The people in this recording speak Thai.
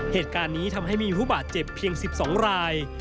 เหตุการณ์นี้ทำให้มีผู้บาดเจ็บเพียง๑๒ราย